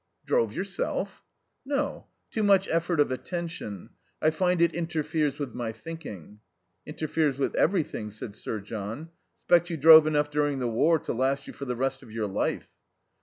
"Drove yourself?" "No. Too much effort of attention. I find it interferes with my thinking." "Interferes with everything," said Sir John. "'Spect you drove enough during the war to last you for the rest of your life."